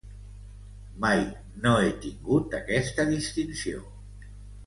Mai no he tingut aquesta distinció.